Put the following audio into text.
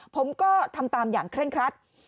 ผมก็ทำตามอย่างเคร่งครัด